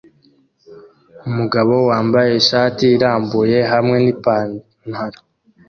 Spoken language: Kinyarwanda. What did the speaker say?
Umugabo wambaye ishati irambuye hamwe nipantaro